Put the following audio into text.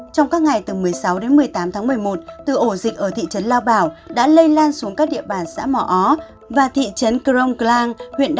trong các ngày từ một mươi sáu đến một mươi tám tháng một mươi một từ ổ dịch ở thị trấn lao bảo đã lây lan xuống các địa bàn xã mò ó và thị trấn crong clang